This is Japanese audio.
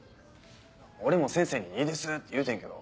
俺も先生に「いいです」って言うてんけど